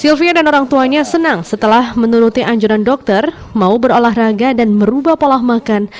sylvia dan orang tuanya senang setelah menuruti anjuran dokter mau berolahraga dan merubah pola makan